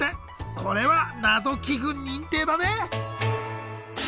これはナゾ器具認定だね。